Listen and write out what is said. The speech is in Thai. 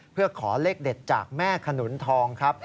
เพื่อขอเลขเด็ดจากแม่ขนุนทองครับ